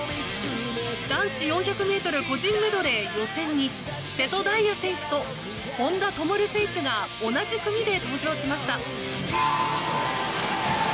男子４００ｍ個人メドレー予選に瀬戸大也選手と本多灯選手が同じ組で登場しました。